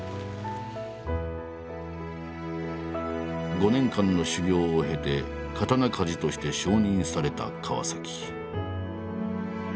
５年間の修業を経て刀鍛冶として承認された川。